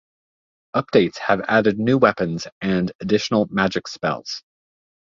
Updates have added new weapons and additional magic spells.